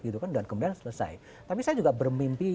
dan kemudian selesai tapi saya juga bermimpi